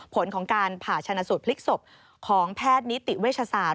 ผลของการผ่าชนะสูตรพลิกศพของแพทย์นิติเวชศาสตร์